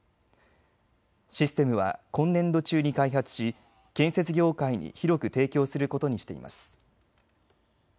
システムは今年度中に開発し建設業界に広く提供することにしています。